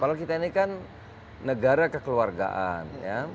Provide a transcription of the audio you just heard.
kalau kita ini kan negara kekeluargaan